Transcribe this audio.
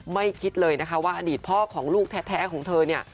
คิดเลยนะคะว่าอดีตพ่อของลูกแท้ของเธอเนี่ย